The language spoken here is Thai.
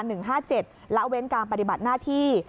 และเว้นการปฏิบัติหน้าที่